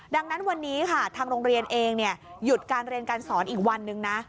ดังนั้นวันนี้ค่ะทางโรงเรียนเองหยุดการเรียนการสอนอีกวันนึงนะ